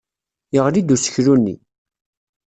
Yeɣli-d useklu-nni.